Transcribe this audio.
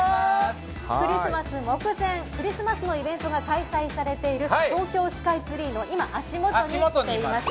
クリスマス目前、クリスマスのイベントが開催されている東京スカイツリーの今、足もとに来ています。